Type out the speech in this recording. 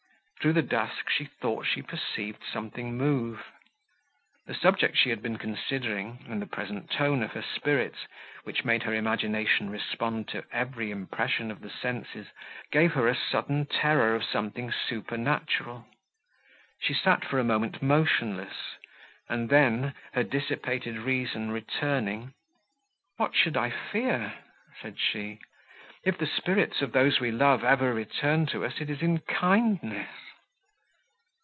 Through the dusk she thought she perceived something move. The subject she had been considering, and the present tone of her spirits, which made her imagination respond to every impression of her senses, gave her a sudden terror of something supernatural. She sat for a moment motionless, and then, her dissipated reason returning, "What should I fear?" said she. "If the spirits of those we love ever return to us, it is in kindness."